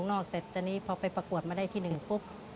โข้นอกแต่ไนพอไปประกวดมาได้ที่๑ปุ๊บ